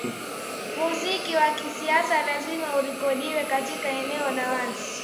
muziki wa kisasa lazima urekodiwe katika eneo la wazi